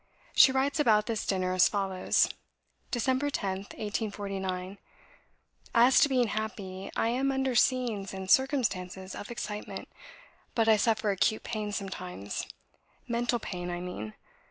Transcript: She writes about this dinner as follows: "Dec. 10th, 1849. "As to being happy, I am under scenes and circumstances of excitement; but I suffer acute pain sometimes, mental pain, I mean.